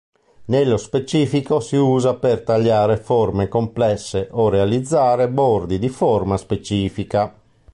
Nello specifico si usa per tagliare forme complesse o realizzare bordi di forma specifica.